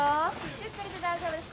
ゆっくりで大丈夫です。